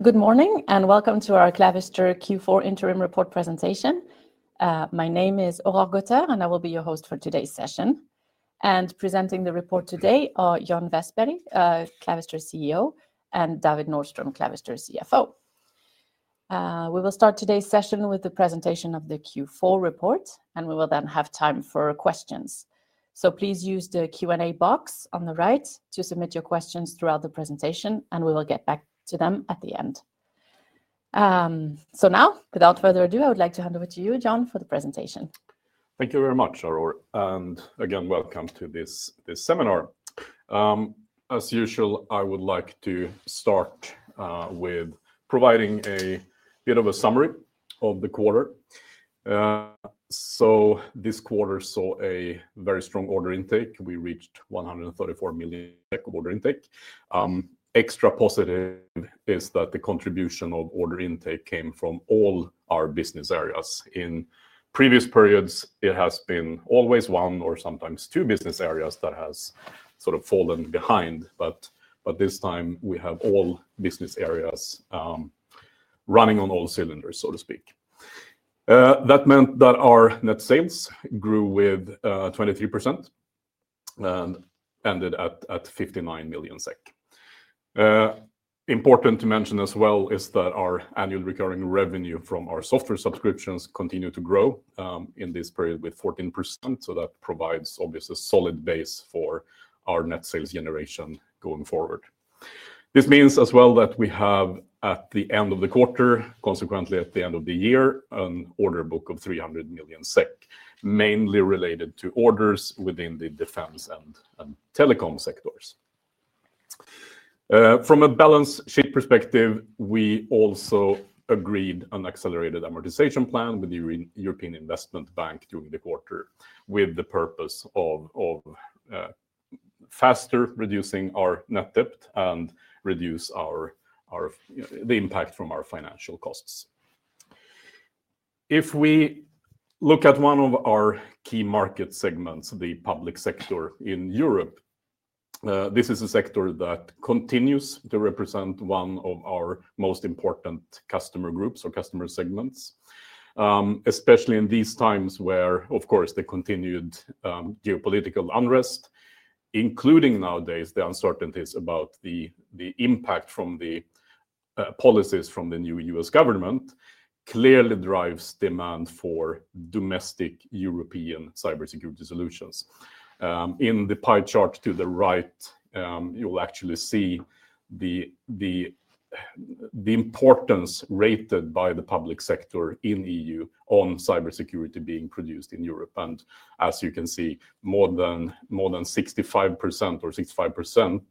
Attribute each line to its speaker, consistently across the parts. Speaker 1: Good morning and welcome to our Clavister Q4 Interim Report presentation. My name is Aurore Gautheur, and I will be your host for today's session. Presenting the report today are John Vestberg, Clavister CEO, and David Nordström, Clavister CFO. We will start today's session with the presentation of the Q4 report, and we will then have time for questions. Please use the Q&A box on the right to submit your questions throughout the presentation, and we will get back to them at the end. Now, without further ado, I would like to hand over to you, John, for the presentation.
Speaker 2: Thank you very much, Aurore. Again, welcome to this seminar. As usual, I would like to start with providing a bit of a summary of the quarter. This quarter saw a very strong order intake. We reached 134 million order intake. Extra positive is that the contribution of order intake came from all our business areas. In previous periods, it has been always one or sometimes two business areas that have sort of fallen behind. This time, we have all business areas running on all cylinders, so to speak. That meant that our net sales grew with 23% and ended at 59 million SEK. Important to mention as well is that our annual recurring revenue from our software subscriptions continued to grow in this period with 14%. That provides, obviously, a solid base for our net sales generation going forward. This means as well that we have, at the end of the quarter, consequently at the end of the year, an order book of 300 million SEK, mainly related to orders within the defense and telecom sectors. From a balance sheet perspective, we also agreed on an accelerated amortization plan with the European Investment Bank during the quarter, with the purpose of faster reducing our net debt and reducing the impact from our financial costs. If we look at one of our key market segments, the public sector in Europe, this is a sector that continues to represent one of our most important customer groups or customer segments, especially in these times where, of course, the continued geopolitical unrest, including nowadays the uncertainties about the impact from the policies from the new U.S. government, clearly drives demand for domestic European cybersecurity solutions. In the pie chart to the right, you'll actually see the importance rated by the public sector in the EU on cybersecurity being produced in Europe. As you can see, more than 65% or 65%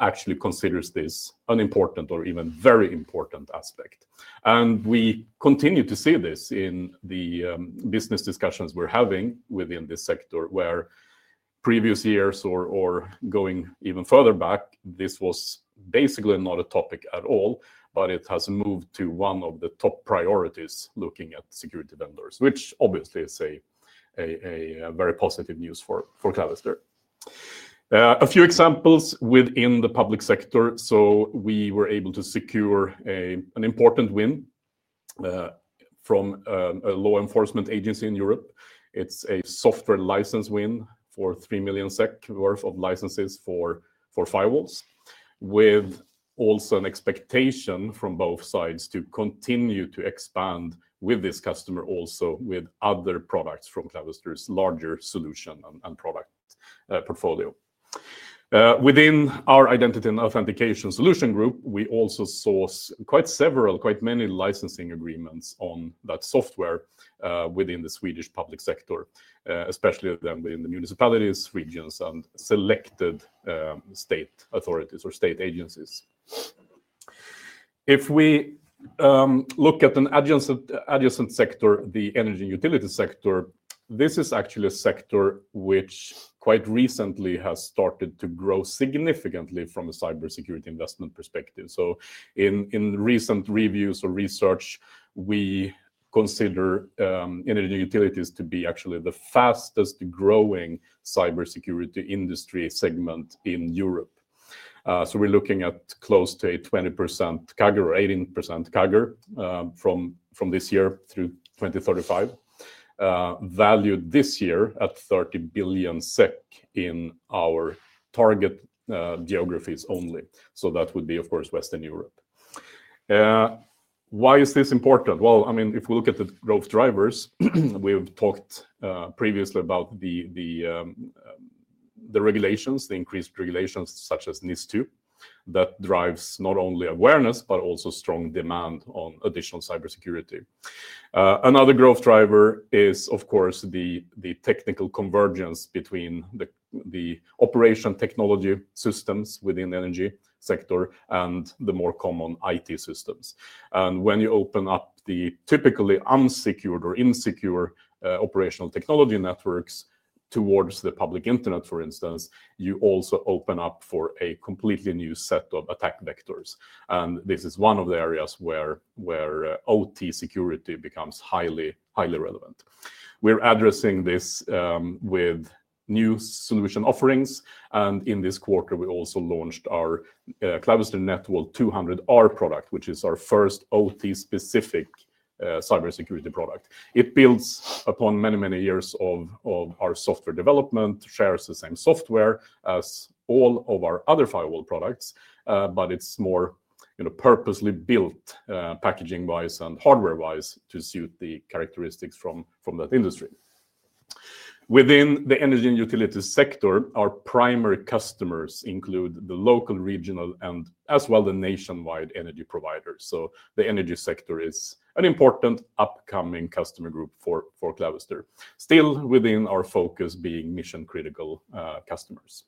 Speaker 2: actually considers this an important or even very important aspect. We continue to see this in the business discussions we're having within this sector, where previous years or going even further back, this was basically not a topic at all, but it has moved to one of the top priorities looking at security vendors, which obviously is very positive news for Clavister. A few examples within the public sector. We were able to secure an important win from a law enforcement agency in Europe. It's a software license win for 3 million SEK worth of licenses for firewalls, with also an expectation from both sides to continue to expand with this customer, also with other products from Clavister's larger solution and product portfolio. Within our identity and authentication solution group, we also saw quite several, quite many licensing agreements on that software within the Swedish public sector, especially then within the municipalities, regions, and selected state authorities or state agencies. If we look at an adjacent sector, the energy and utility sector, this is actually a sector which quite recently has started to grow significantly from a cybersecurity investment perspective. In recent reviews or research, we consider energy and utilities to be actually the fastest growing cybersecurity industry segment in Europe. We're looking at close to a 20% CAGR or 18% CAGR from this year through 2035, valued this year at 30 billion SEK in our target geographies only. That would be, of course, Western Europe. Why is this important? I mean, if we look at the growth drivers, we've talked previously about the regulations, the increased regulations such as NIS2 that drives not only awareness, but also strong demand on additional cybersecurity. Another growth driver is, of course, the technical convergence between the operational technology systems within the energy sector and the more common IT systems. When you open up the typically unsecured or insecure operational technology networks towards the public internet, for instance, you also open up for a completely new set of attack vectors. This is one of the areas where OT security becomes highly relevant. We're addressing this with new solution offerings. In this quarter, we also launched our Clavister NetWall 200R product, which is our first OT-specific cybersecurity product. It builds upon many, many years of our software development, shares the same software as all of our other firewall products, but it is more purposely built packaging-wise and hardware-wise to suit the characteristics from that industry. Within the energy and utility sector, our primary customers include the local, regional, and as well the nationwide energy providers. The energy sector is an important upcoming customer group for Clavister, still within our focus being mission-critical customers.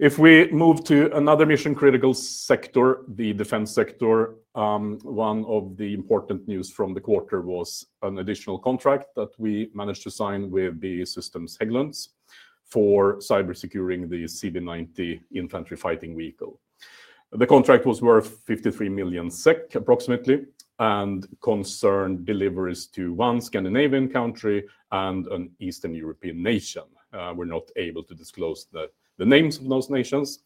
Speaker 2: If we move to another mission-critical sector, the defense sector, one of the important news from the quarter was an additional contract that we managed to sign with BAE Systems Hägglunds for cybersecuring the CV90 infantry fighting vehicle. The contract was worth 53 million SEK approximately and concerned deliveries to one Scandinavian country and an Eastern European nation. We're not able to disclose the names of those nations.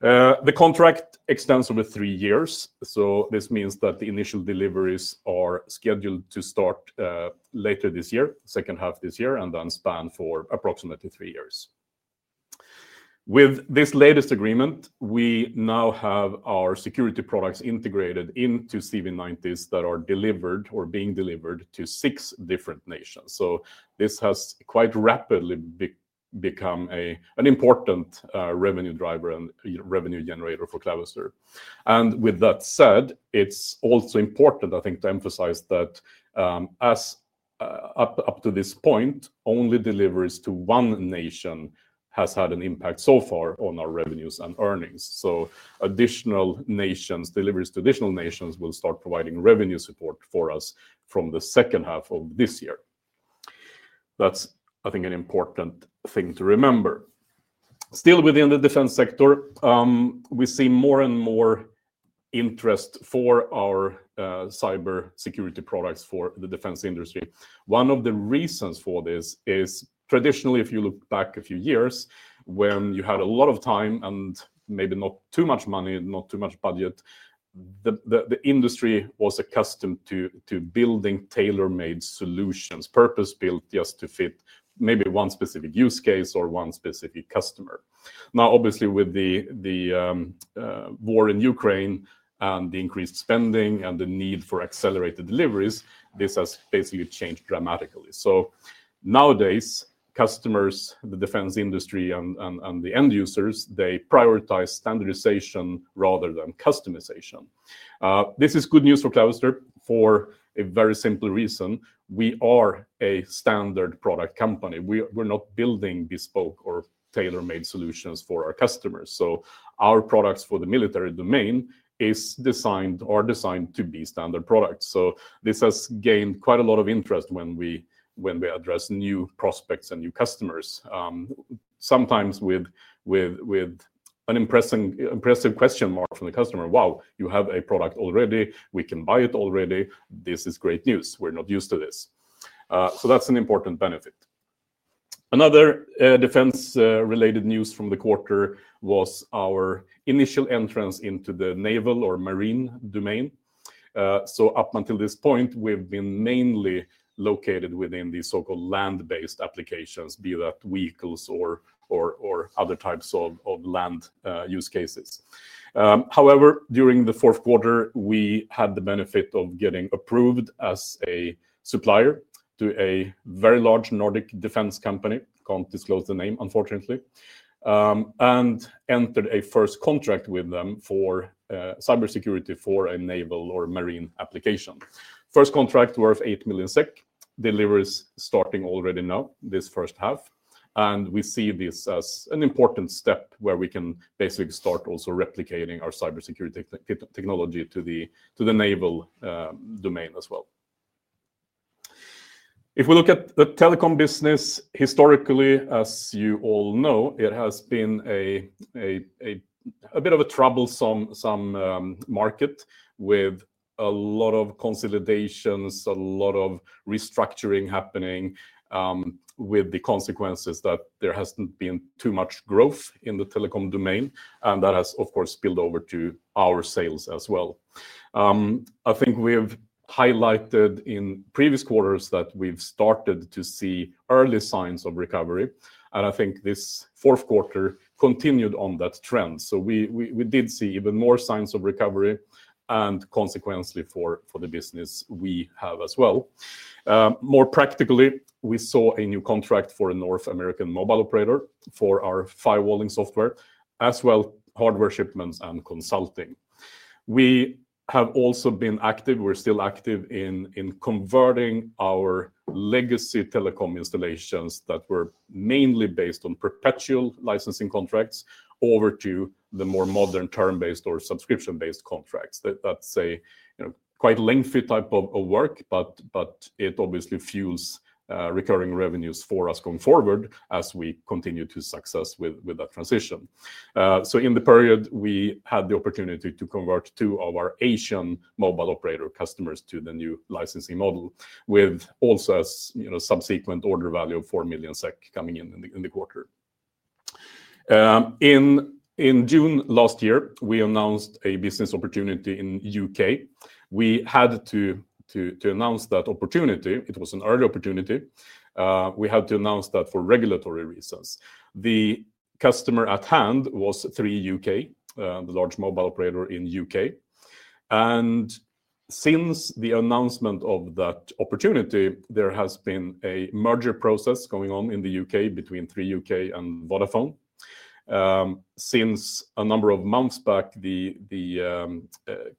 Speaker 2: The contract extends over three years. This means that the initial deliveries are scheduled to start later this year, second half this year, and then span for approximately three years. With this latest agreement, we now have our security products integrated into CV90s that are delivered or being delivered to six different nations. This has quite rapidly become an important revenue driver and revenue generator for Clavister. With that said, it's also important, I think, to emphasize that as up to this point, only deliveries to one nation have had an impact so far on our revenues and earnings. Additional nations, deliveries to additional nations will start providing revenue support for us from the second half of this year. That is, I think, an important thing to remember. Still within the defense sector, we see more and more interest for our cybersecurity products for the defense industry. One of the reasons for this is traditionally, if you look back a few years, when you had a lot of time and maybe not too much money, not too much budget, the industry was accustomed to building tailor-made solutions, purpose-built just to fit maybe one specific use case or one specific customer. Now, obviously, with the war in Ukraine and the increased spending and the need for accelerated deliveries, this has basically changed dramatically. Nowadays, customers, the defense industry and the end users, they prioritize standardization rather than customization. This is good news for Clavister for a very simple reason. We are a standard product company. We're not building bespoke or tailor-made solutions for our customers. Our products for the military domain are designed to be standard products. This has gained quite a lot of interest when we address new prospects and new customers, sometimes with an impressive question mark from the customer. Wow, you have a product already. We can buy it already. This is great news. We're not used to this. That's an important benefit. Another defense-related news from the quarter was our initial entrance into the naval or marine domain. Up until this point, we've been mainly located within the so-called land-based applications, be that vehicles or other types of land use cases. However, during the fourth quarter, we had the benefit of getting approved as a supplier to a very large Nordic defense company. Can't disclose the name, unfortunately. We entered a first contract with them for cybersecurity for a naval or marine application. First contract worth 8 million SEK, deliveries starting already now, this first half. We see this as an important step where we can basically start also replicating our cybersecurity technology to the naval domain as well. If we look at the telecom business, historically, as you all know, it has been a bit of a troublesome market with a lot of consolidations, a lot of restructuring happening with the consequences that there has not been too much growth in the telecom domain. That has, of course, spilled over to our sales as well. I think we have highlighted in previous quarters that we have started to see early signs of recovery. I think this fourth quarter continued on that trend. We did see even more signs of recovery and consequences for the business we have as well. More practically, we saw a new contract for a North American mobile operator for our firewalling software, as well as hardware shipments and consulting. We have also been active, we're still active in converting our legacy telecom installations that were mainly based on perpetual licensing contracts over to the more modern term-based or subscription-based contracts. That's a quite lengthy type of work, but it obviously fuels recurring revenues for us going forward as we continue to success with that transition. In the period, we had the opportunity to convert two of our Asian mobile operator customers to the new licensing model with also a subsequent order value of 4 million SEK coming in in the quarter. In June last year, we announced a business opportunity in the U.K. We had to announce that opportunity. It was an early opportunity. We had to announce that for regulatory reasons. The customer at hand was Three UK, the large mobile operator in the U.K. Since the announcement of that opportunity, there has been a merger process going on in the U.K. between Three UK and Vodafone. Since a number of months back, the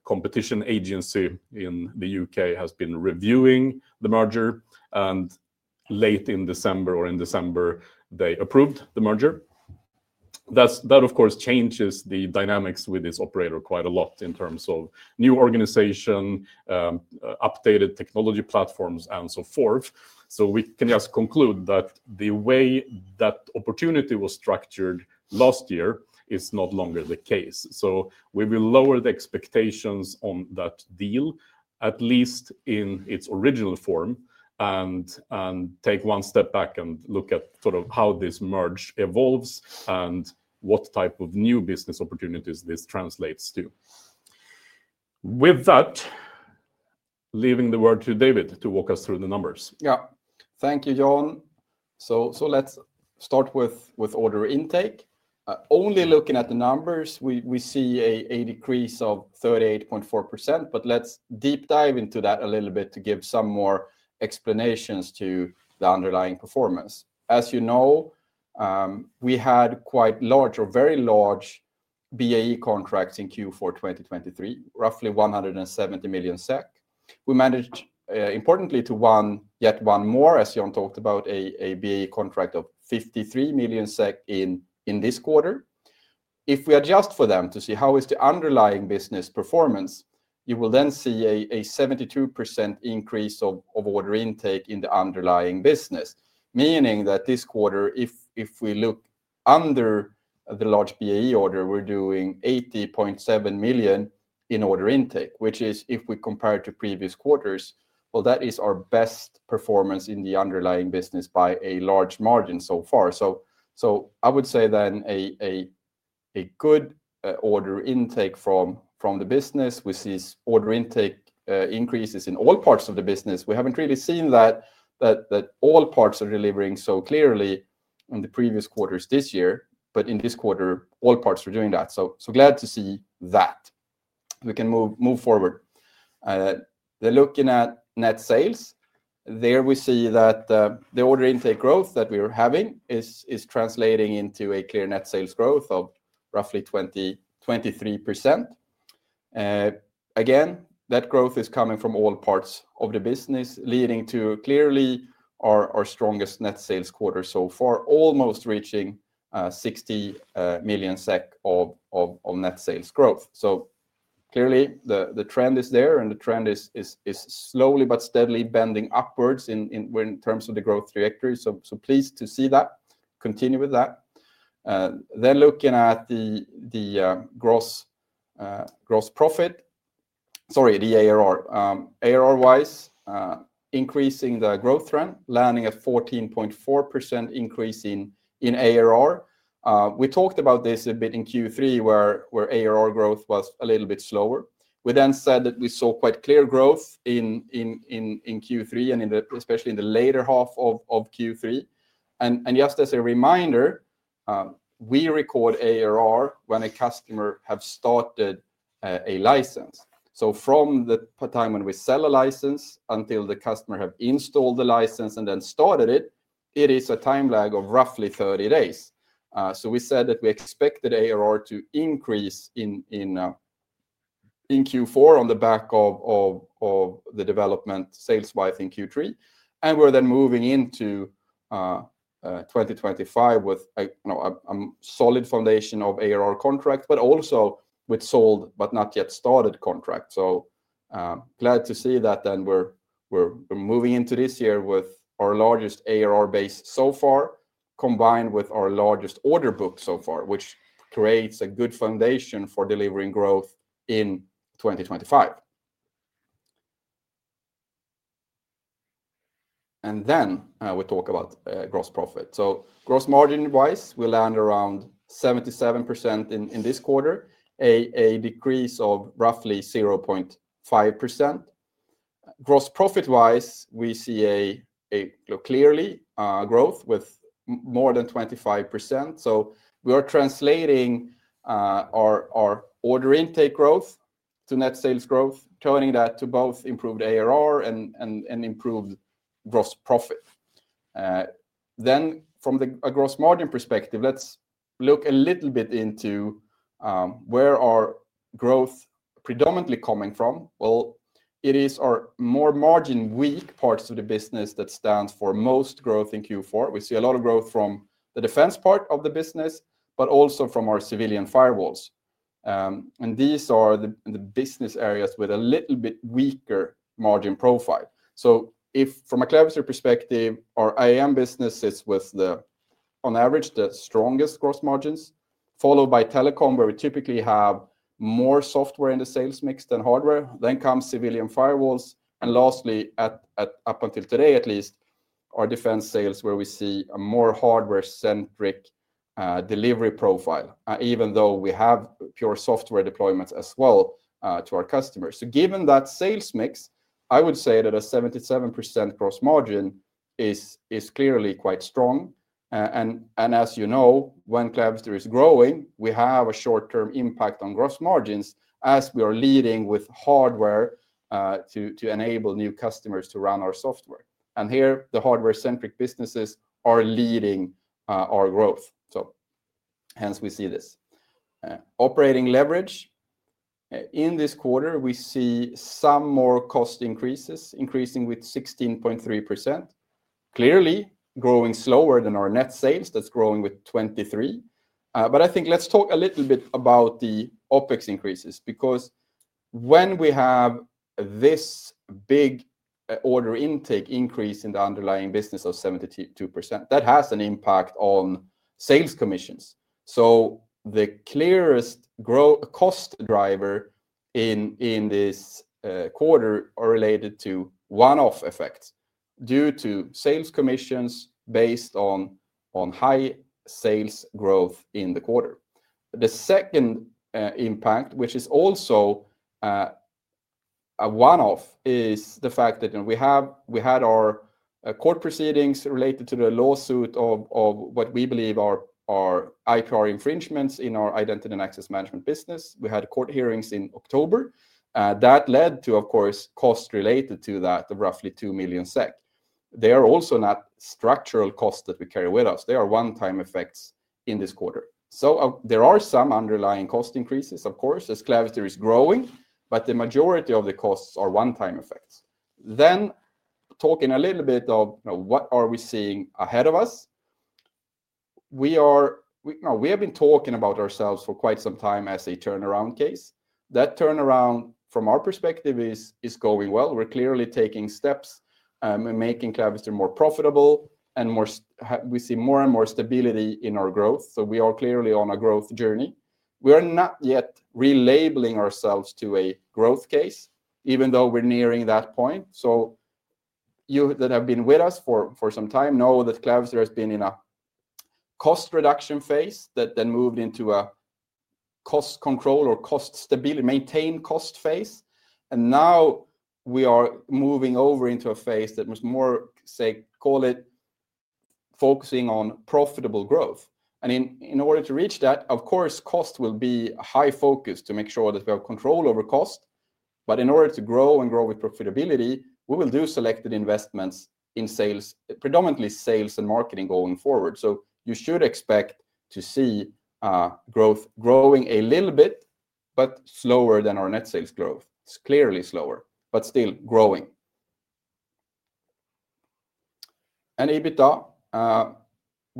Speaker 2: competition agency in the U.K. has been reviewing the merger. Late in December or in December, they approved the merger. That, of course, changes the dynamics with this operator quite a lot in terms of new organization, updated technology platforms, and so forth. We can just conclude that the way that opportunity was structured last year is not longer the case. We will lower the expectations on that deal, at least in its original form, and take one step back and look at sort of how this merge evolves and what type of new business opportunities this translates to. With that, leaving the word to David to walk us through the numbers.
Speaker 3: Yeah. Thank you, John. Let's start with order intake. Only looking at the numbers, we see a decrease of 38.4%, but let's deep dive into that a little bit to give some more explanations to the underlying performance. As you know, we had quite large or very large BAE contracts in Q4 2023, roughly 170 million SEK. We managed, importantly, to win yet one more, as John talked about, a BAE contract of 53 million SEK in this quarter. If we adjust for them to see how is the underlying business performance, you will then see a 72% increase of order intake in the underlying business, meaning that this quarter, if we look under the large BAE order, we're doing 80.7 million in order intake, which is if we compare to previous quarters, that is our best performance in the underlying business by a large margin so far. I would say then a good order intake from the business. We see order intake increases in all parts of the business. We haven't really seen that all parts are delivering so clearly in the previous quarters this year, but in this quarter, all parts are doing that. Glad to see that. We can move forward. They're looking at net sales. There we see that the order intake growth that we are having is translating into a clear net sales growth of roughly 23%. Again, that growth is coming from all parts of the business, leading to clearly our strongest net sales quarter so far, almost reaching 60 million SEK of net sales growth. Clearly, the trend is there and the trend is slowly but steadily bending upwards in terms of the growth trajectory. Pleased to see that. Continue with that. Looking at the gross profit, sorry, the ARR. ARR-wise, increasing the growth trend, landing at 14.4% increase in ARR. We talked about this a bit in Q3 where ARR growth was a little bit slower. We then said that we saw quite clear growth in Q3 and especially in the later half of Q3. Just as a reminder, we record ARR when a customer has started a license. From the time when we sell a license until the customer has installed the license and then started it, there is a time lag of roughly 30 days. We said that we expected ARR to increase in Q4 on the back of the development sales-wise in Q3. We are then moving into 2025 with a solid foundation of ARR contract, but also with sold but not yet started contract. Glad to see that we are moving into this year with our largest ARR base so far, combined with our largest order book so far, which creates a good foundation for delivering growth in 2025. When we talk about gross profit, gross margin-wise, we land around 77% in this quarter, a decrease of roughly 0.5%. Gross profit-wise, we see a clearly growth with more than 25%. We are translating our order intake growth to net sales growth, turning that to both improved ARR and improved gross profit. From a gross margin perspective, let's look a little bit into where our growth predominantly coming from. It is our more margin-weak parts of the business that stands for most growth in Q4. We see a lot of growth from the defense part of the business, but also from our civilian firewalls. These are the business areas with a little bit weaker margin profile. From a Clavister perspective, our IAM business is with, on average, the strongest gross margins, followed by telecom, where we typically have more software in the sales mix than hardware. Then comes civilian firewalls. Lastly, up until today, at least, our defense sales, where we see a more hardware-centric delivery profile, even though we have pure software deployments as well to our customers. Given that sales mix, I would say that a 77% gross margin is clearly quite strong. As you know, when Clavister is growing, we have a short-term impact on gross margins as we are leading with hardware to enable new customers to run our software. Here, the hardware-centric businesses are leading our growth. Hence, we see this. Operating leverage. In this quarter, we see some more cost increases, increasing with 16.3%. Clearly, growing slower than our net sales. That is growing with 23%. I think let's talk a little bit about the OpEx increases, because when we have this big order intake increase in the underlying business of 72%, that has an impact on sales commissions. The clearest cost driver in this quarter is related to one-off effects due to sales commissions based on high sales growth in the quarter. The second impact, which is also a one-off, is the fact that we had our court proceedings related to the lawsuit of what we believe are IPR infringements in our identity and access management business. We had court hearings in October. That led to, of course, costs related to that of roughly 2 million SEK. They are also not structural costs that we carry with us. They are one-time effects in this quarter. There are some underlying cost increases, of course, as Clavister is growing, but the majority of the costs are one-time effects. Talking a little bit of what are we seeing ahead of us. We have been talking about ourselves for quite some time as a turnaround case. That turnaround, from our perspective, is going well. We're clearly taking steps and making Clavister more profitable, and we see more and more stability in our growth. We are clearly on a growth journey. We are not yet relabeling ourselves to a growth case, even though we're nearing that point. You that have been with us for some time know that Clavister has been in a cost reduction phase that then moved into a cost control or maintain cost phase. Now we are moving over into a phase that was more, say, call it focusing on profitable growth. In order to reach that, of course, cost will be high focus to make sure that we have control over cost. In order to grow and grow with profitability, we will do selected investments in sales, predominantly sales and marketing going forward. You should expect to see growth growing a little bit, but slower than our net sales growth. It's clearly slower, but still growing. And EBITDA,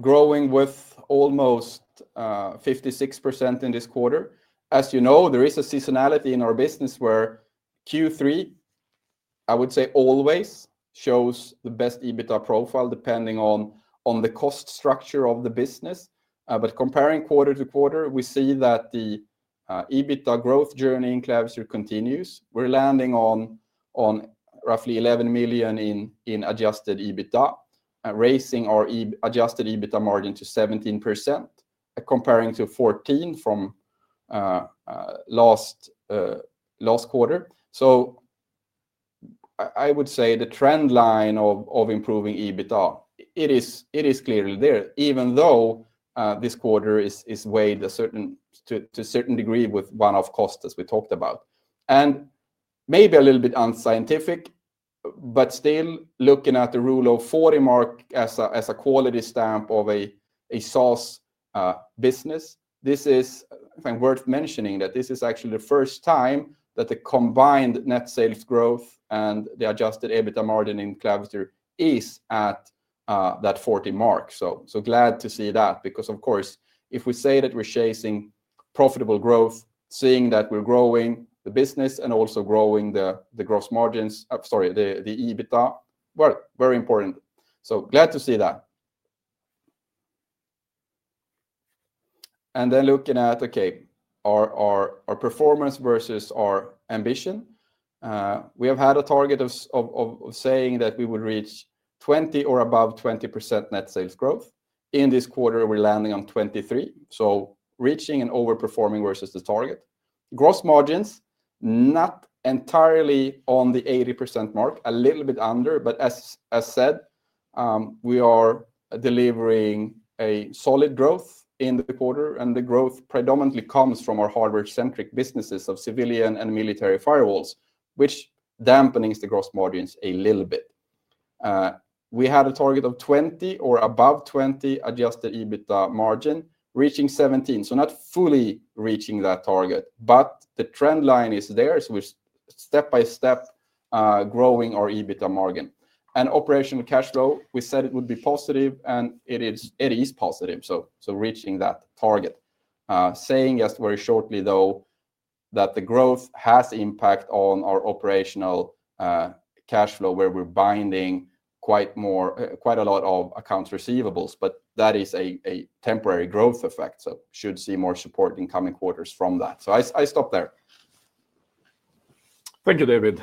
Speaker 3: growing with almost 56% in this quarter. As you know, there is a seasonality in our business where Q3, I would say always shows the best EBITDA profile depending on the cost structure of the business. Comparing quarter-to-quarter, we see that the EBITDA growth journey in Clavister continues. We're landing on roughly 11 million in adjusted EBITDA, raising our adjusted EBITDA margin to 17%, comparing to 14% from last quarter. I would say the trend line of improving EBITDA, it is clearly there, even though this quarter is weighed to a certain degree with one-off cost, as we talked about. Maybe a little bit unscientific, but still looking at the Rule of 40 mark as a quality stamp of a SaaS business, this is worth mentioning that this is actually the first time that the combined net sales growth and the adjusted EBITDA margin in Clavister is at that 40 mark. Glad to see that, because of course, if we say that we're chasing profitable growth, seeing that we're growing the business and also growing the gross margins, sorry, the EBITDA, very important. Glad to see that. Looking at, okay, our performance versus our ambition. We have had a target of saying that we will reach 20% or above 20% net sales growth. In this quarter, we're landing on 23%. Reaching and overperforming versus the target. Gross margins, not entirely on the 80% mark, a little bit under, but as said, we are delivering a solid growth in the quarter. The growth predominantly comes from our hardware-centric businesses of civilian and military firewalls, which dampens the gross margins a little bit. We had a target of 20 or above 20 adjusted EBITDA margin, reaching 17%. Not fully reaching that target, but the trend line is there. We are step by step growing our EBITDA margin. Operational cash flow, we said it would be positive, and it is positive. Reaching that target. Saying just very shortly, though, that the growth has impact on our operational cash flow, where we are binding quite a lot of accounts receivables, but that is a temporary growth effect. Should see more support in coming quarters from that. I stop there.
Speaker 2: Thank you, David.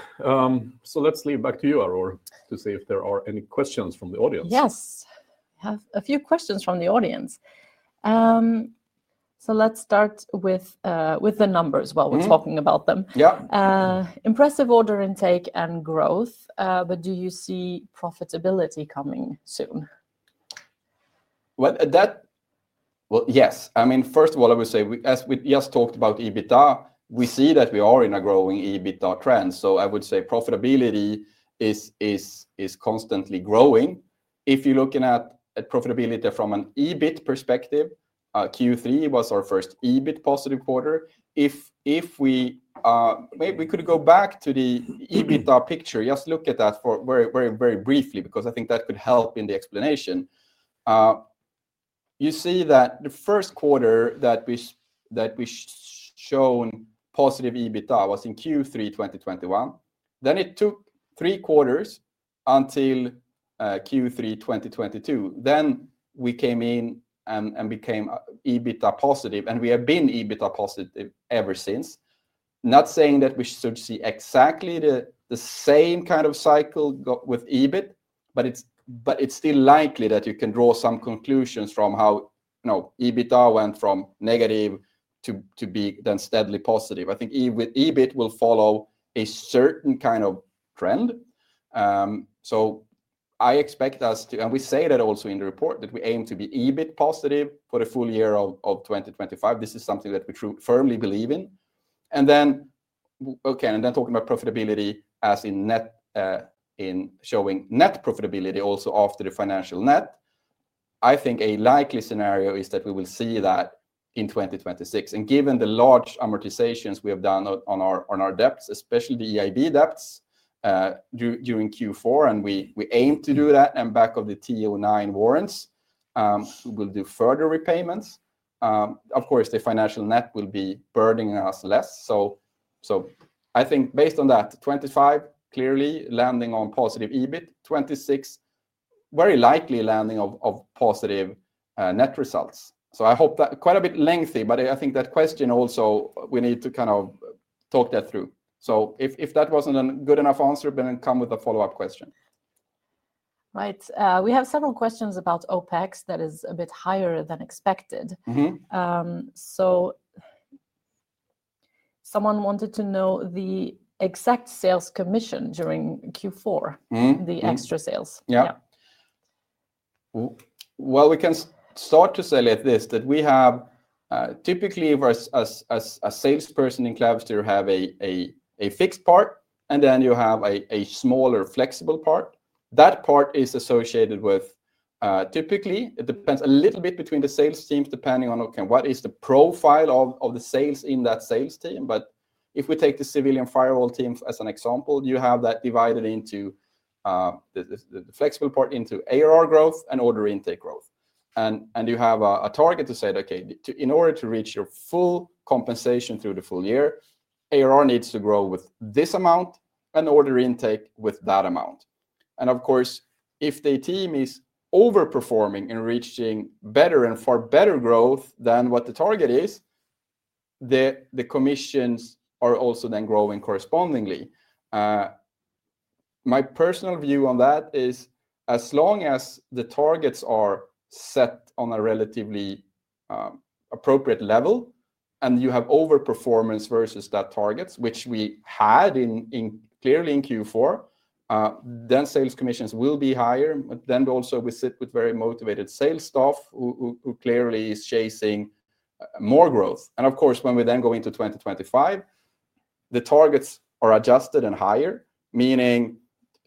Speaker 2: Let's leave back to you, Aurore, to see if there are any questions from the audience.
Speaker 1: Yes. We have a few questions from the audience. Let's start with the numbers while we're talking about them. Impressive order intake and growth, but do you see profitability coming soon?
Speaker 3: Yes. I mean, first of all, I would say, as we just talked about EBITDA, we see that we are in a growing EBITDA trend. I would say profitability is constantly growing. If you're looking at profitability from an EBIT perspective, Q3 was our first EBIT positive quarter. If we could go back to the EBITDA picture, just look at that very, very briefly, because I think that could help in the explanation. You see that the first quarter that we shown positive EBITDA was in Q3 2021. Then it took three quarters until Q3 2022. We came in and became EBITDA positive, and we have been EBITDA positive ever since. Not saying that we should see exactly the same kind of cycle with EBIT, but it is still likely that you can draw some conclusions from how EBITDA went from negative to be then steadily positive. I think EBIT will follow a certain kind of trend. I expect us to, and we say that also in the report, that we aim to be EBIT positive for the full year of 2025. This is something that we firmly believe in. Talking about profitability as in showing net profitability also after the financial net, I think a likely scenario is that we will see that in 2026. Given the large amortizations we have done on our debts, especially the EIB debts during Q4, and we aim to do that and back of the TO9 warrants, we will do further repayments. Of course, the financial net will be burdening us less. I think based on that, 2025, clearly landing on positive EBIT, 2026, very likely landing of positive net results. I hope that quite a bit lengthy, but I think that question also we need to kind of talk that through. If that was not a good enough answer, then come with a follow-up question.
Speaker 1: Right. We have several questions about OpEx that is a bit higher than expected. Someone wanted to know the exact sales commission during Q4, the extra sales.
Speaker 3: Yeah. We can start to say like this, that we have typically a salesperson in Clavister have a fixed part, and then you have a smaller flexible part. That part is associated with typically, it depends a little bit between the sales teams depending on what is the profile of the sales in that sales team. If we take the civilian firewall team as an example, you have that divided into the flexible part into ARR growth and order intake growth. You have a target to say that, okay, in order to reach your full compensation through the full year, ARR needs to grow with this amount and order intake with that amount. Of course, if the team is overperforming and reaching better and far better growth than what the target is, the commissions are also then growing correspondingly. My personal view on that is as long as the targets are set on a relatively appropriate level and you have overperformance versus that targets, which we had clearly in Q4, sales commissions will be higher. Also, we sit with very motivated sales staff who clearly is chasing more growth. Of course, when we go into 2025, the targets are adjusted and higher, meaning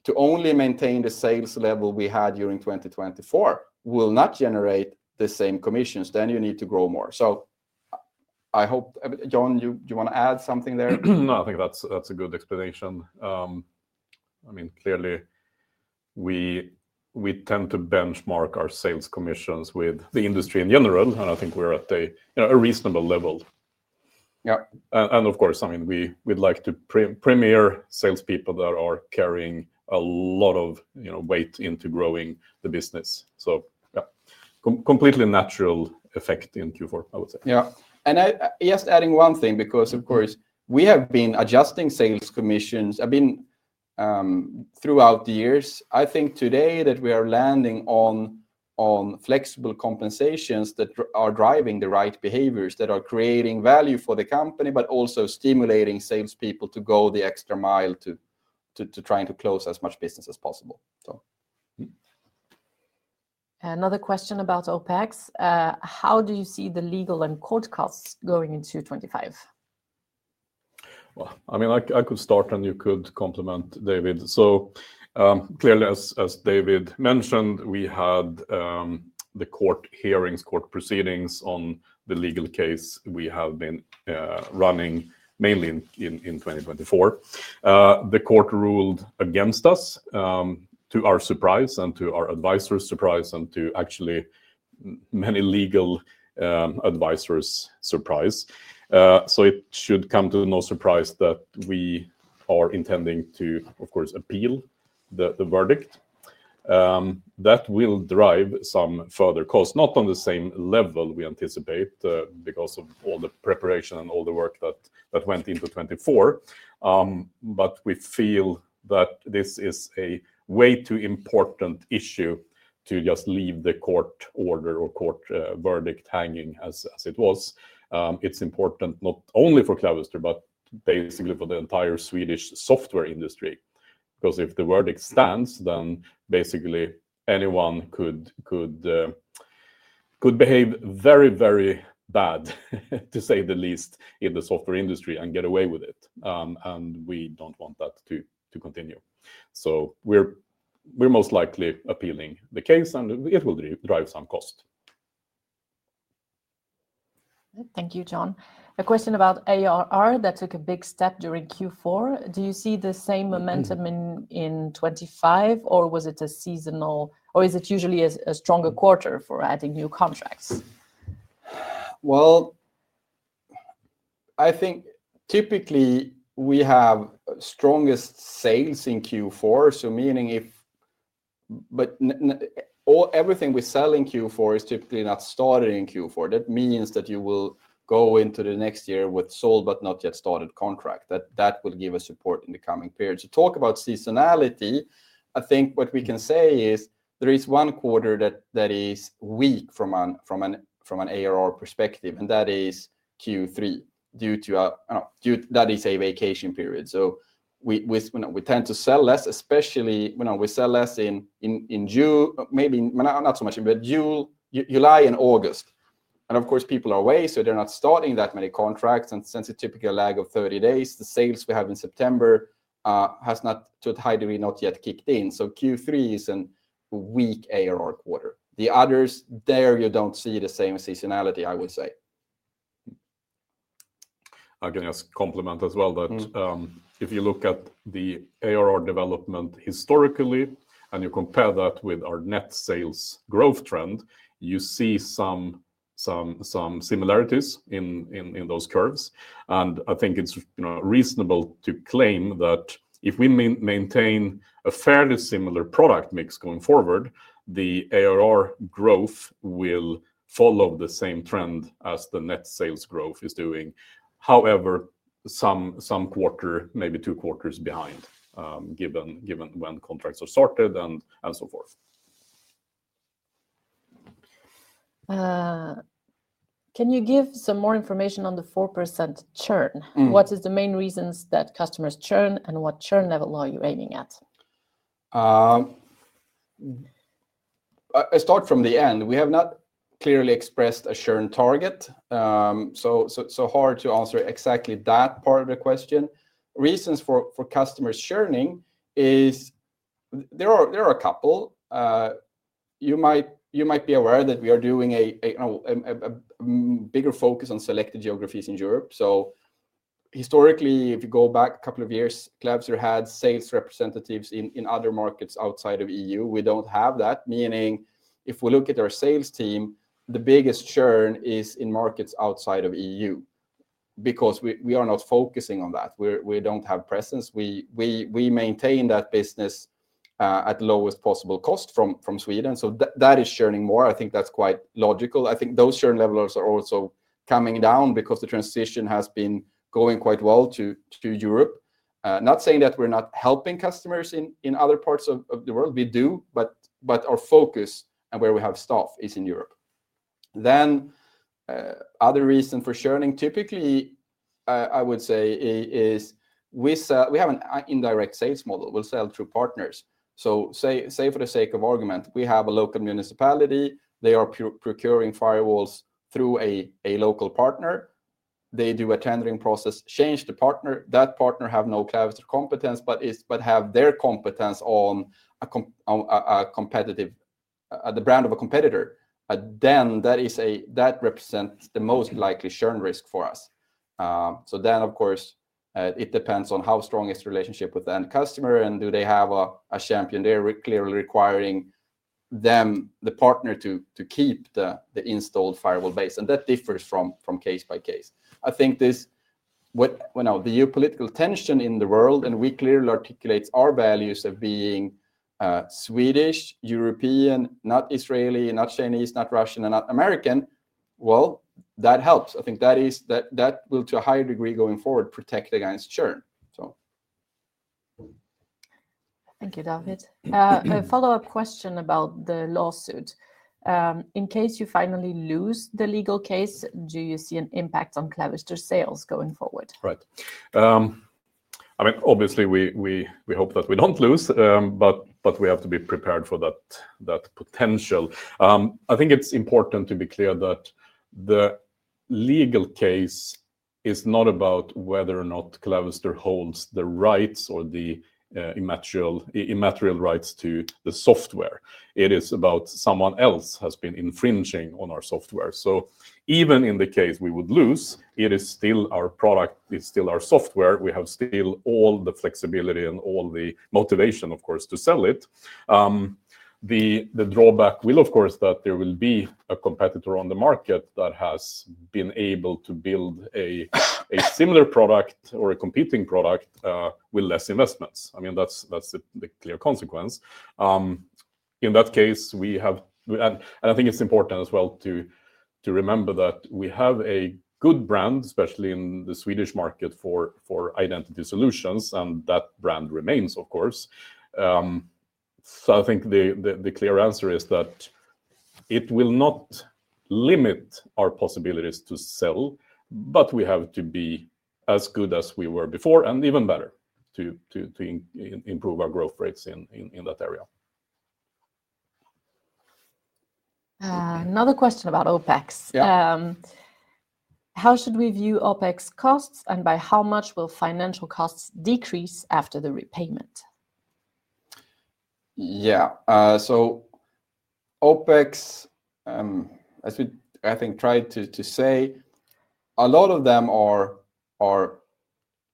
Speaker 3: to only maintain the sales level we had during 2024 will not generate the same commissions. You need to grow more. I hope, John, you want to add something there?
Speaker 2: No, I think that's a good explanation. I mean, clearly, we tend to benchmark our sales commissions with the industry in general, and I think we're at a reasonable level.
Speaker 3: Yeah.
Speaker 2: Of course, I mean, we'd like to premiere salespeople that are carrying a lot of weight into growing the business. Completely natural effect in Q4, I would say.
Speaker 3: Yeah. Just adding one thing, because of course, we have been adjusting sales commissions throughout the years. I think today that we are landing on flexible compensations that are driving the right behaviors that are creating value for the company, but also stimulating salespeople to go the extra mile to trying to close as much business as possible.
Speaker 1: Another question about OpEx. How do you see the legal and court costs going into 2025?
Speaker 2: I mean, I could start and you could complement, David. Clearly, as David mentioned, we had the court hearings, court proceedings on the legal case we have been running mainly in 2024. The court ruled against us, to our surprise and to our advisors' surprise and to actually many legal advisors' surprise. It should come to no surprise that we are intending to, of course, appeal the verdict. That will drive some further costs, not on the same level we anticipate because of all the preparation and all the work that went into 2024. We feel that this is a way too important issue to just leave the court order or court verdict hanging as it was. It's important not only for Clavister, but basically for the entire Swedish software industry. Because if the verdict stands, then basically anyone could behave very, very bad, to say the least, in the software industry and get away with it. We do not want that to continue. We are most likely appealing the case, and it will drive some cost.
Speaker 1: Thank you, John. A question about ARR that took a big step during Q4. Do you see the same momentum in 2025, or was it a seasonal, or is it usually a stronger quarter for adding new contracts?
Speaker 3: I think typically we have strongest sales in Q4, so meaning if everything we sell in Q4 is typically not started in Q4. That means that you will go into the next year with sold but not yet started contract. That will give us support in the coming period. To talk about seasonality, I think what we can say is there is one quarter that is weak from an ARR perspective, and that is Q3 due to a, that is a vacation period. We tend to sell less, especially we sell less in June, maybe not so much in July, July, and August. Of course, people are away, so they're not starting that many contracts. Since a typical lag of 30 days, the sales we have in September has not to a high degree not yet kicked in. Q3 is a weak ARR quarter. The others there, you don't see the same seasonality, I would say.
Speaker 2: I can just complement as well that if you look at the ARR development historically and you compare that with our net sales growth trend, you see some similarities in those curves. I think it's reasonable to claim that if we maintain a fairly similar product mix going forward, the ARR growth will follow the same trend as the net sales growth is doing, however, some quarter, maybe two quarters behind, given when contracts are started and so forth.
Speaker 1: Can you give some more information on the 4% churn? What is the main reasons that customers churn and what churn level are you aiming at?
Speaker 3: I start from the end. We have not clearly expressed a churn target. So hard to answer exactly that part of the question. Reasons for customers churning is there are a couple. You might be aware that we are doing a bigger focus on selected geographies in Europe. Historically, if you go back a couple of years, Clavister had sales representatives in other markets outside of EU. We do not have that. Meaning if we look at our sales team, the biggest churn is in markets outside of EU because we are not focusing on that. We do not have presence. We maintain that business at lowest possible cost from Sweden. That is churning more. I think that is quite logical. I think those churn levels are also coming down because the transition has been going quite well to Europe. Not saying that we're not helping customers in other parts of the world. We do, but our focus and where we have staff is in Europe. Another reason for churning, typically, I would say, is we have an indirect sales model. We sell through partners. Say for the sake of argument, we have a local municipality. They are procuring firewalls through a local partner. They do a tendering process, change the partner. That partner has no Clavister competence, but has their competence on a competitor, the brand of a competitor. That represents the most likely churn risk for us. Of course, it depends on how strong the relationship is with the end customer and if they have a champion. They're clearly requiring them, the partner, to keep the installed firewall base. That differs from case by case. I think this geopolitical tension in the world and we clearly articulate our values of being Swedish, European, not Israeli, not Chinese, not Russian, and not American. That helps. I think that will, to a higher degree going forward, protect against churn.
Speaker 1: Thank you, David. A follow-up question about the lawsuit. In case you finally lose the legal case, do you see an impact on Clavister sales going forward?
Speaker 2: Right. I mean, obviously, we hope that we don't lose, but we have to be prepared for that potential. I think it's important to be clear that the legal case is not about whether or not Clavister holds the rights or the immaterial rights to the software. It is about someone else has been infringing on our software. Even in the case we would lose, it is still our product, it's still our software. We have still all the flexibility and all the motivation, of course, to sell it. The drawback will, of course, be that there will be a competitor on the market that has been able to build a similar product or a competing product with less investments. I mean, that's the clear consequence. In that case, we have, and I think it's important as well to remember that we have a good brand, especially in the Swedish market for identity solutions, and that brand remains, of course. I think the clear answer is that it will not limit our possibilities to sell, but we have to be as good as we were before and even better to improve our growth rates in that area.
Speaker 1: Another question about OpEx. How should we view OpEx costs and by how much will financial costs decrease after the repayment?
Speaker 3: Yeah. OpEx, as we I think tried to say, a lot of them are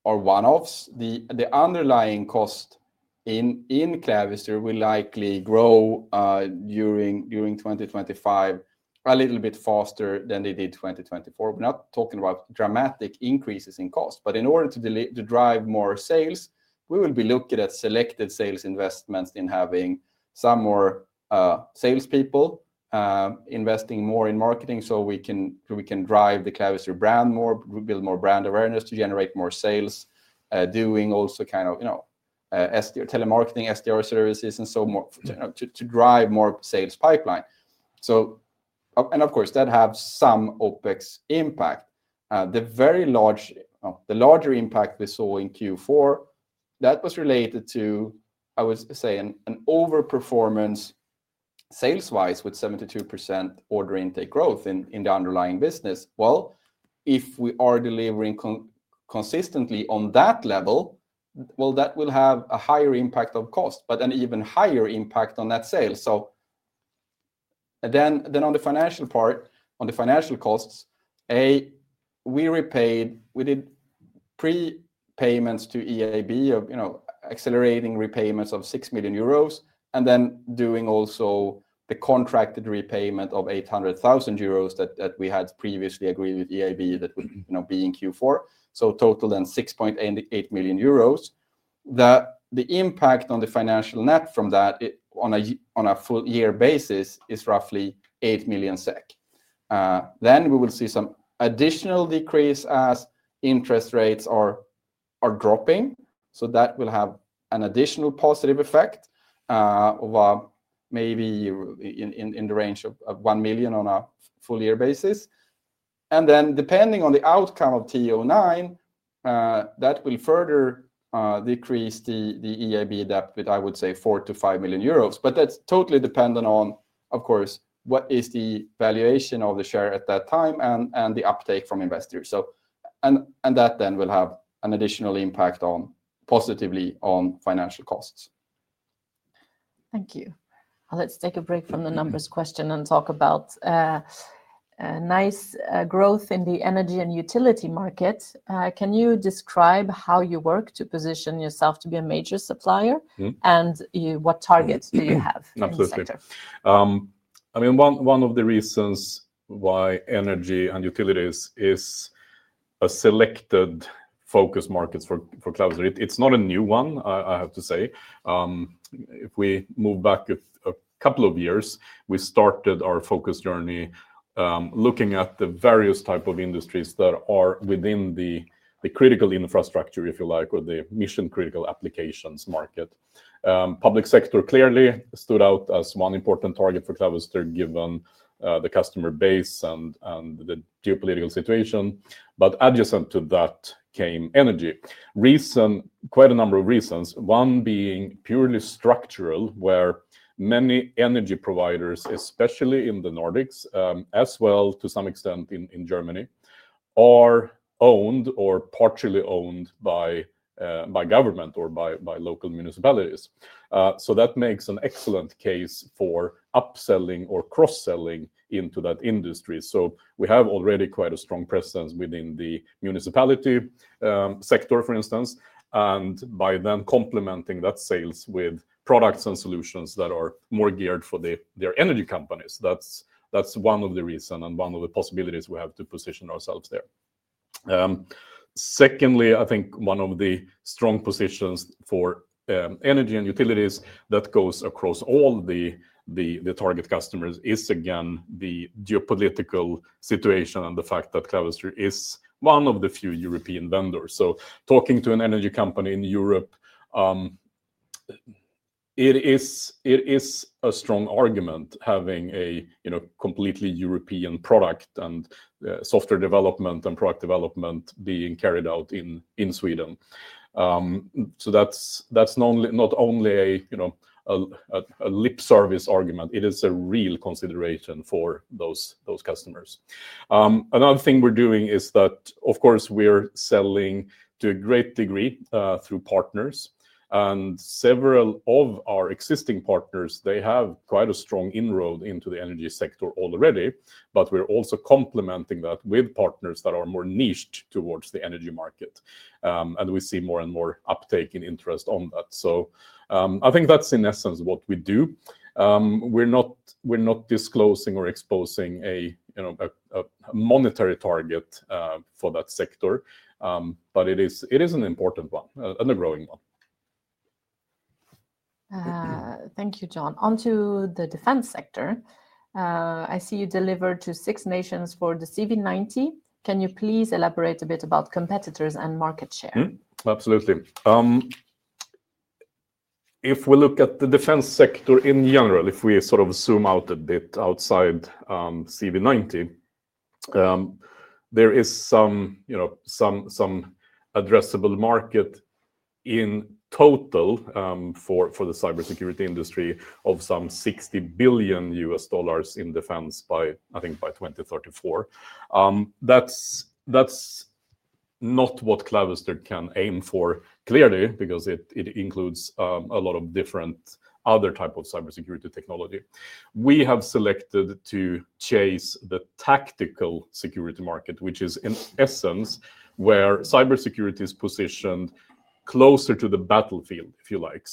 Speaker 3: one-offs. The underlying cost in Clavister will likely grow during 2025 a little bit faster than they did 2024. We're not talking about dramatic increases in cost, but in order to drive more sales, we will be looking at selected sales investments in having some more salespeople investing more in marketing so we can drive the Clavister brand more, build more brand awareness to generate more sales, doing also kind of telemarketing, SDR services and so more to drive more sales pipeline. Of course, that has some OpEx impact. The larger impact we saw in Q4, that was related to, I would say, an overperformance sales-wise with 72% order intake growth in the underlying business. If we are delivering consistently on that level, that will have a higher impact on cost, but an even higher impact on net sales. On the financial part, on the financial costs, we did prepayments to European Investment Bank of accelerating repayments of 6 million euros and then doing also the contracted repayment of 800,000 euros that we had previously agreed with European Investment Bank that would be in Q4. Total then 6.8 million euros. The impact on the financial net from that on a full year basis is roughly 8 million SEK. We will see some additional decrease as interest rates are dropping. That will have an additional positive effect of maybe in the range of 1 million on a full year basis. Depending on the outcome of TO9, that will further decrease the European Investment Bank debt with, I would say, 4 million-5 million euros. That is totally dependent on, of course, what is the valuation of the share at that time and the uptake from investors. That then will have an additional impact positively on financial costs.
Speaker 1: Thank you. Let's take a break from the numbers question and talk about nice growth in the energy and utility market. Can you describe how you work to position yourself to be a major supplier and what targets do you have in the sector?
Speaker 2: Absolutely. I mean, one of the reasons why energy and utilities is a selected focus market for Clavister, it's not a new one, I have to say. If we move back a couple of years, we started our focus journey looking at the various types of industries that are within the critical infrastructure, if you like, or the mission-critical applications market. Public sector clearly stood out as one important target for Clavister given the customer base and the geopolitical situation. Adjacent to that came energy. Quite a number of reasons, one being purely structural where many energy providers, especially in the Nordics, as well to some extent in Germany, are owned or partially owned by government or by local municipalities. That makes an excellent case for upselling or cross-selling into that industry. We have already quite a strong presence within the municipality sector, for instance, and by then complementing that sales with products and solutions that are more geared for their energy companies. That is one of the reasons and one of the possibilities we have to position ourselves there. Secondly, I think one of the strong positions for energy and utilities that goes across all the target customers is, again, the geopolitical situation and the fact that Clavister is one of the few European vendors. Talking to an energy company in Europe, it is a strong argument having a completely European product and software development and product development being carried out in Sweden. That is not only a lip service argument. It is a real consideration for those customers. Another thing we're doing is that, of course, we're selling to a great degree through partners. Several of our existing partners have quite a strong inroad into the energy sector already, but we're also complementing that with partners that are more niched towards the energy market. We see more and more uptake in interest on that. I think that is in essence what we do. We're not disclosing or exposing a monetary target for that sector, but it is an important one and a growing one.
Speaker 1: Thank you, John. On to the defense sector. I see you delivered to six nations for the CV90. Can you please elaborate a bit about competitors and market share?
Speaker 2: Absolutely. If we look at the defense sector in general, if we sort of zoom out a bit outside CV90, there is some addressable market in total for the cybersecurity industry of some $60 billion in defense by, I think, by 2034. That's not what Clavister can aim for clearly because it includes a lot of different other types of cybersecurity technology. We have selected to chase the tactical security market, which is in essence where cybersecurity is positioned closer to the battlefield, if you like.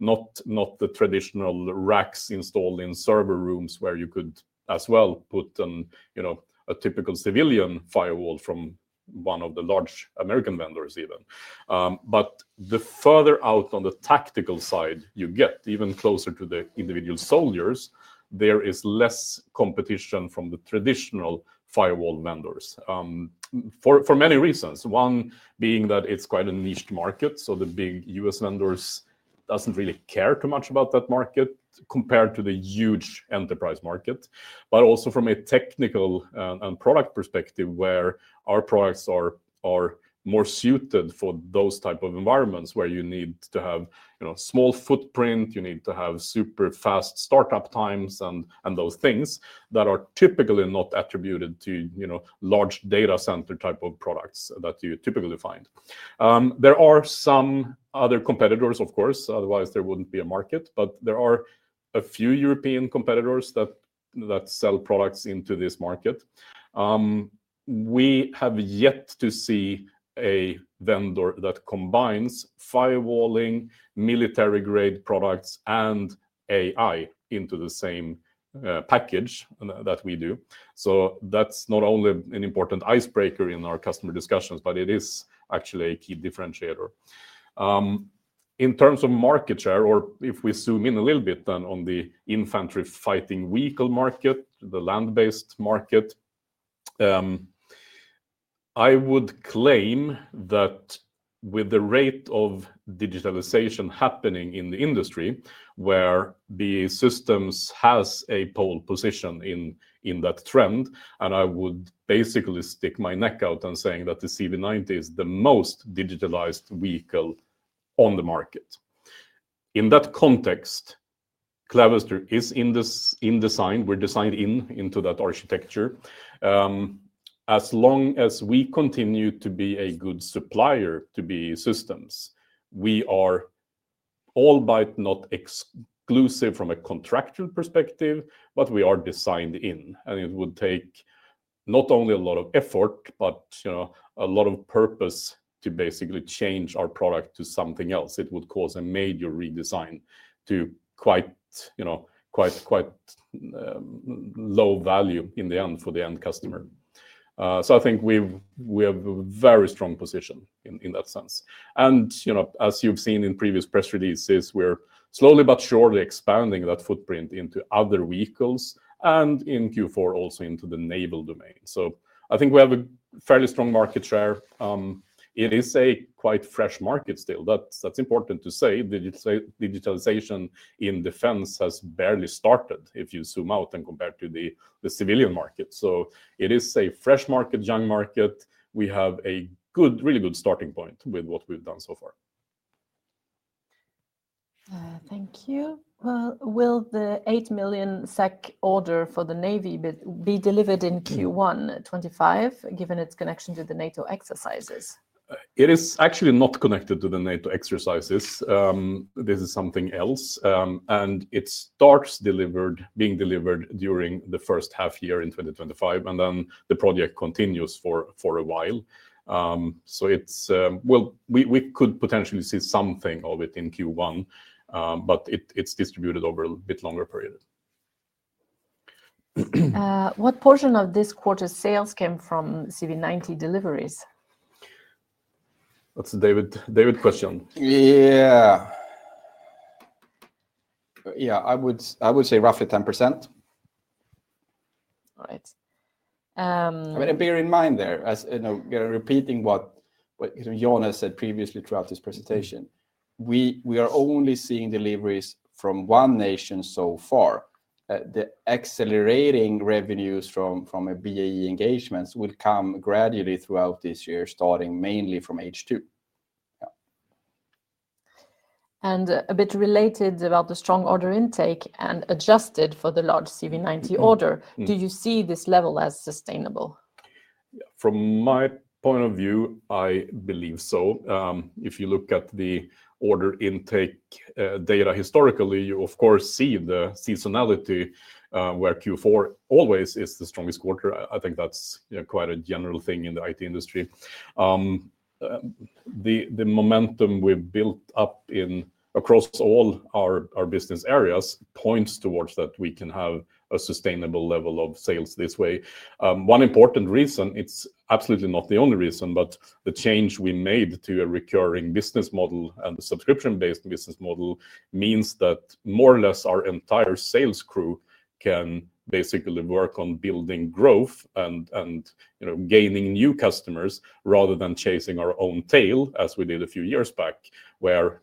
Speaker 2: Not the traditional racks installed in server rooms where you could as well put a typical civilian firewall from one of the large American vendors even. The further out on the tactical side you get, even closer to the individual soldiers, there is less competition from the traditional firewall vendors for many reasons. One being that it's quite a niched market. The big U.S. vendors do not really care too much about that market compared to the huge enterprise market. Also from a technical and product perspective where our products are more suited for those types of environments where you need to have small footprint, you need to have super fast startup times and those things that are typically not attributed to large data center type of products that you typically find. There are some other competitors, of course. Otherwise, there would not be a market, but there are a few European competitors that sell products into this market. We have yet to see a vendor that combines firewalling, military-grade products, and AI into the same package that we do. That is not only an important icebreaker in our customer discussions, but it is actually a key differentiator. In terms of market share, or if we zoom in a little bit on the infantry fighting vehicle market, the land-based market, I would claim that with the rate of digitalization happening in the industry where the systems have a pole position in that trend, and I would basically stick my neck out and say that the CV90 is the most digitalized vehicle on the market. In that context, Clavister is in design. We are designed into that architecture. As long as we continue to be a good supplier to BAE Systems, we are all but not exclusive from a contractual perspective, but we are designed in. It would take not only a lot of effort, but a lot of purpose to basically change our product to something else. It would cause a major redesign to quite low value in the end for the end customer. I think we have a very strong position in that sense. As you've seen in previous press releases, we're slowly but surely expanding that footprint into other vehicles and in Q4 also into the naval domain. I think we have a fairly strong market share. It is a quite fresh market still. That's important to say. Digitalization in defense has barely started if you zoom out and compare it to the civilian market. It is a fresh market, young market. We have a really good starting point with what we've done so far.
Speaker 1: Thank you. Will the 8 million SEK order for the Navy be delivered in Q1 2025 given its connection to the NATO exercises?
Speaker 2: It is actually not connected to the NATO exercises. This is something else. It starts being delivered during the first half year in 2025, and then the project continues for a while. We could potentially see something of it in Q1, but it is distributed over a bit longer period.
Speaker 1: What portion of this quarter's sales came from CV90 deliveries?
Speaker 2: That is a David question.
Speaker 3: Yeah. I would say roughly 10%. All right. I mean, bear in mind there, repeating what John said previously throughout this presentation, we are only seeing deliveries from one nation so far. The accelerating revenues from BAE engagements will come gradually throughout this year, starting mainly from H2.
Speaker 1: A bit related about the strong order intake and adjusted for the large CV90 order, do you see this level as sustainable?
Speaker 2: From my point of view, I believe so. If you look at the order intake data historically, you, of course, see the seasonality where Q4 always is the strongest quarter. I think that's quite a general thing in the IT industry. The momentum we've built up across all our business areas points towards that we can have a sustainable level of sales this way. One important reason, it's absolutely not the only reason, but the change we made to a recurring business model and the subscription-based business model means that more or less our entire sales crew can basically work on building growth and gaining new customers rather than chasing our own tail as we did a few years back where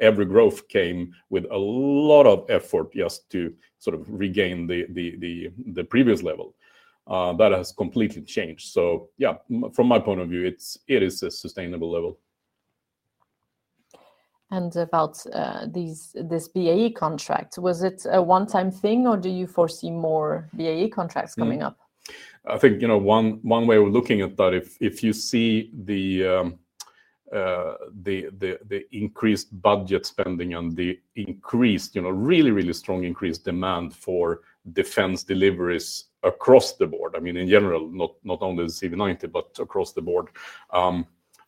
Speaker 2: every growth came with a lot of effort just to sort of regain the previous level. That has completely changed. From my point of view, it is a sustainable level.
Speaker 1: And about this BAE contract, was it a one-time thing or do you foresee more BAE contracts coming up?
Speaker 2: I think one way of looking at that, if you see the increased budget spending and the increased, really, really strong increased demand for defense deliveries across the board, I mean, in general, not only the CV90, but across the board,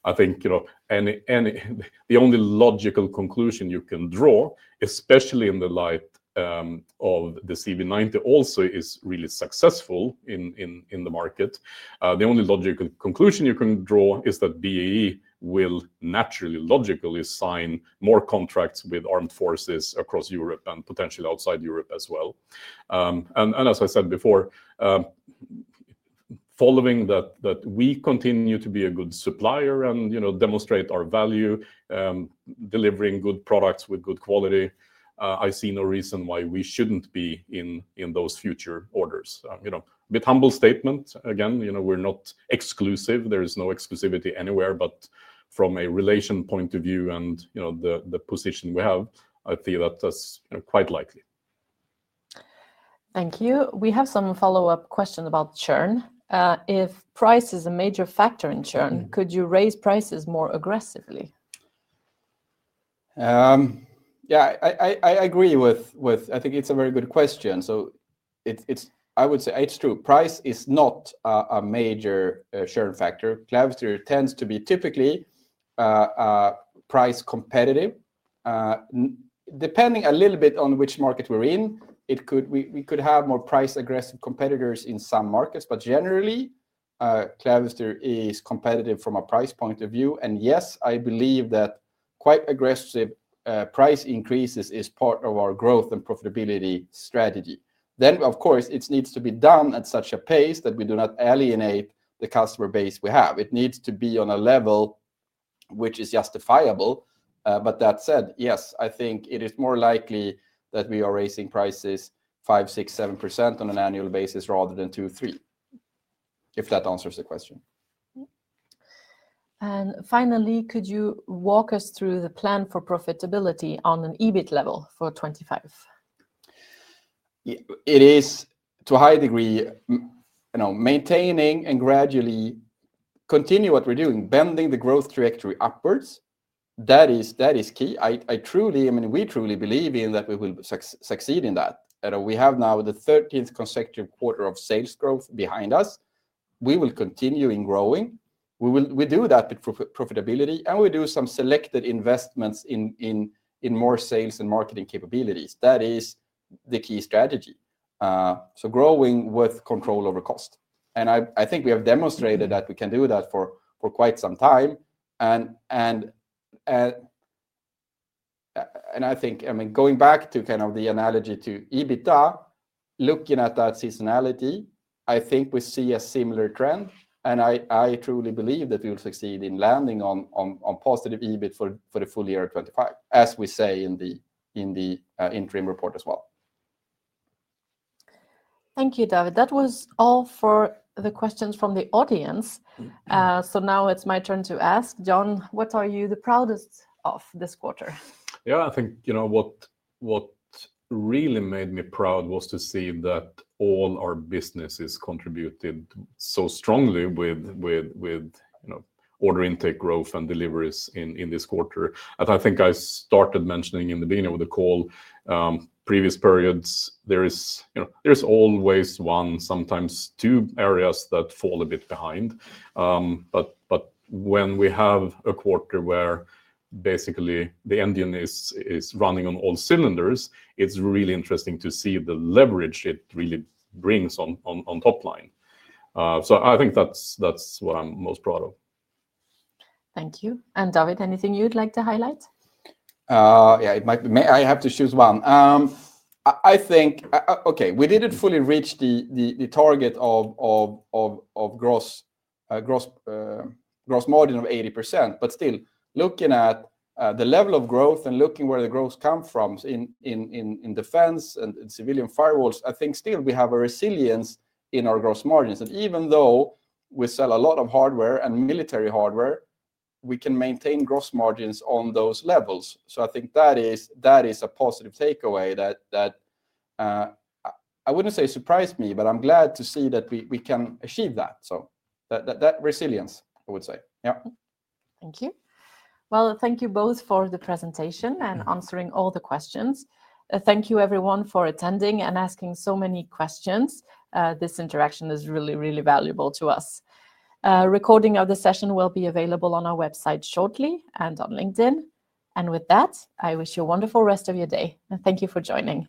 Speaker 2: I think the only logical conclusion you can draw, especially in the light of the CV90, also is really successful in the market. The only logical conclusion you can draw is that BAE will naturally, logically sign more contracts with armed forces across Europe and potentially outside Europe as well. As I said before, following that we continue to be a good supplier and demonstrate our value, delivering good products with good quality, I see no reason why we shouldn't be in those future orders. A bit humble statement again, we're not exclusive. There is no exclusivity anywhere, but from a relation point of view and the position we have, I feel that that's quite likely.
Speaker 1: Thank you. We have some follow-up questions about churn. If price is a major factor in churn, could you raise prices more aggressively?
Speaker 3: Yeah, I agree with, I think it's a very good question. I would say it's true. Price is not a major churn factor. Clavister tends to be typically price competitive. Depending a little bit on which market we're in, we could have more price-aggressive competitors in some markets, but generally, Clavister is competitive from a price point of view. Yes, I believe that quite aggressive price increases are part of our growth and profitability strategy. Of course, it needs to be done at such a pace that we do not alienate the customer base we have. It needs to be on a level which is justifiable. That said, yes, I think it is more likely that we are raising prices 5%, 6%, 7% on an annual basis rather than 2%-3%, if that answers the question.
Speaker 1: Finally, could you walk us through the plan for profitability on an EBIT level for 2025?
Speaker 3: It is to a high degree maintaining and gradually continuing what we're doing, bending the growth trajectory upwards. That is key. I mean, we truly believe in that we will succeed in that. We have now the 13th consecutive quarter of sales growth behind us. We will continue in growing. We do that with profitability, and we do some selected investments in more sales and marketing capabilities. That is the key strategy. Growing with control over cost. I think we have demonstrated that we can do that for quite some time. I think, I mean, going back to kind of the analogy to EBITDA, looking at that seasonality, I think we see a similar trend. I truly believe that we will succeed in landing on positive EBIT for the full year of 2025, as we say in the interim report as well.
Speaker 1: Thank you, David. That was all for the questions from the audience. Now it's my turn to ask, John, what are you the proudest of this quarter?
Speaker 2: Yeah, I think what really made me proud was to see that all our businesses contributed so strongly with order intake growth and deliveries in this quarter. I think I started mentioning in the beginning of the call, previous periods, there is always one, sometimes two areas that fall a bit behind. When we have a quarter where basically the engine is running on all cylinders, it's really interesting to see the leverage it really brings on top line. I think that's what I'm most proud of.
Speaker 1: Thank you. David, anything you'd like to highlight?
Speaker 3: Yeah, I have to choose one. We didn't fully reach the target of gross margin of 80%, but still looking at the level of growth and looking where the growth comes from in defense and civilian firewalls, I think still we have a resilience in our gross margins. Even though we sell a lot of hardware and military hardware, we can maintain gross margins on those levels. I think that is a positive takeaway that I wouldn't say surprised me, but I'm glad to see that we can achieve that. That resilience, I would say. Yeah.
Speaker 1: Thank you. Thank you both for the presentation and answering all the questions. Thank you, everyone, for attending and asking so many questions. This interaction is really, really valuable to us. Recording of the session will be available on our website shortly and on LinkedIn. I wish you a wonderful rest of your day. Thank you for joining.